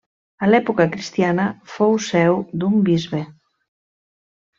A l'època cristiana fou seu d'un bisbe.